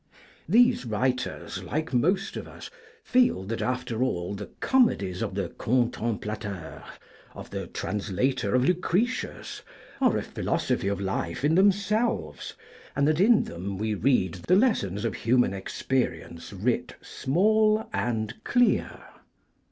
These writers, like most of us, feel that, after all, the comedies of the Contemplateur, of the translator of Lucretius, are a philosophy of life in themselves, and that in them we read the lessons of human experience writ small and clear.